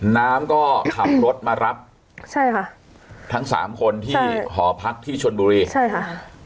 น้ำก็ขับรถมารับใช่ค่ะทั้งสามคนที่หอพักที่ชนบุรีใช่ค่ะ